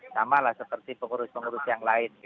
sama lah seperti pengurus pengurus yang lain gitu ya